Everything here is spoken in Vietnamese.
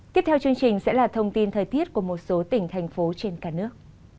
tiếp theo chương trình sẽ là thông tin thời tiết của một số tỉnh thành phố trên cả nước